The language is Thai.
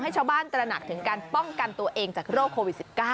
ชาวบ้านตระหนักถึงการป้องกันตัวเองจากโรคโควิด๑๙